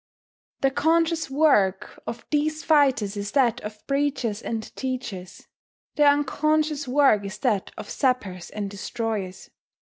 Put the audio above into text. The conscious work of these fighters is that of preachers and teachers; their unconscious work is that of sappers and destroyers.